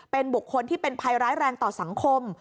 เป็นบุคคลที่เป็นภัยร้ายแรงต่อสังคม